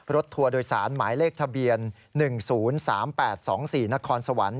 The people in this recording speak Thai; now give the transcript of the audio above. ทัวร์โดยสารหมายเลขทะเบียน๑๐๓๘๒๔นครสวรรค์